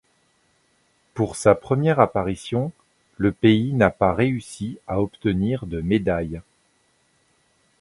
Pour sa première apparition, le pays n'a pas réussi à obtenir de médailles.